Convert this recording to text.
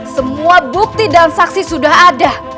semua bukti dan saksi sudah ada